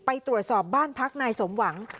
ไปตรวจสอบบ้านพักนายสมหวัง